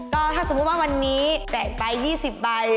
ก็ถ้าสมมุติว่าวันนี้แจกไป๒๐ใบ